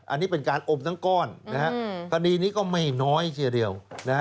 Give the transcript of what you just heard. อันนี้เป็นการอมทั้งก้อนคดีนี้ก็ไม่น้อยทีเดียว